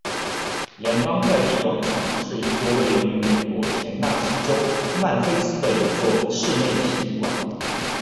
联邦快递广场是一座位于美国田纳西州曼菲斯的一座室内体育馆。